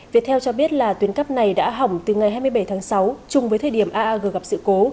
viettel cho biết là tuyến cắp này đã hỏng từ ngày hai mươi bảy tháng sáu chung với thời điểm aag gặp sự cố